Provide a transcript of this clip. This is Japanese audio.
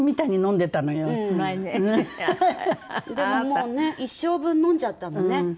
でももうね一生分飲んじゃったのね。